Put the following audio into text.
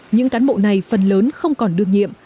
những cán bộ này phần lớn không còn đương nhiệm